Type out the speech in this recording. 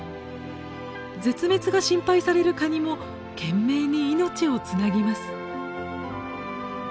絶滅が心配されるカニも懸命に命をつなぎます。